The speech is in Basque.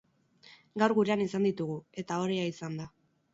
Gaur gurean izan ditugu, eta ohorea izan da.